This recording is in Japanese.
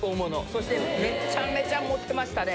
そしてめちゃめちゃモテましたね。